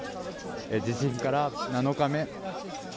地震から７日目。